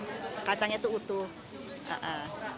jadi kacangnya lah yang menarik